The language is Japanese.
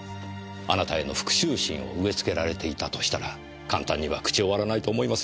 あなたへの復讐心を植えつけられていたとしたら簡単には口を割らないと思いますよ。